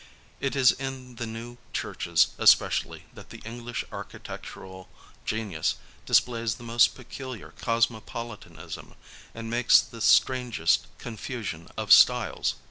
It is in the new churches, especially, that the English architectural genius displays the most peculiar cosmopolitanism, and makes the itrangest confusion of styles.